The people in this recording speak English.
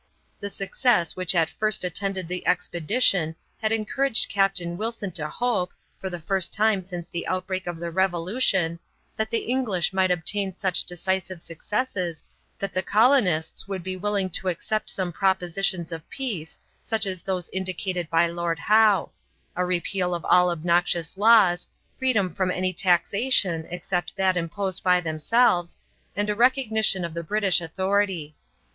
The success which at first attended the expedition had encouraged Captain Wilson to hope, for the first time since the outbreak of the Revolution, that the English might obtain such decisive successes that the colonists would be willing to accept some propositions of peace such as those indicated by Lord Howe a repeal of all obnoxious laws, freedom from any taxation except that imposed by themselves, and a recognition of the British authority.